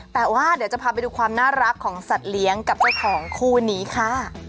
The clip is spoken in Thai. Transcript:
แต่ว่าเดี๋ยวจะพาไปดูความน่ารักของสัตว์เลี้ยงกับเจ้าของคู่นี้ค่ะ